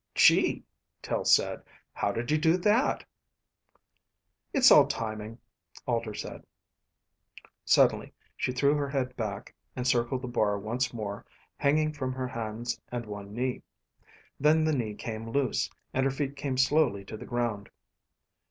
"Gee," Tel said. "How did you do that?" "It's all timing," Alter said. Suddenly she threw her head back, and circled the bar once more, hanging from her hands and one knee. Then the knee came loose, and her feet came slowly to the ground.